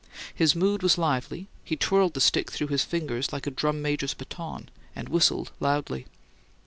His mood was lively: he twirled the stick through his fingers like a drum major's baton, and whistled loudly.